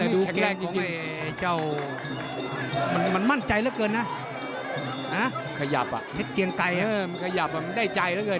แต่ดูแกรกจริงมันมั่นใจเหลือเกินนะขยับอ่ะมันได้ใจเหลือเกิน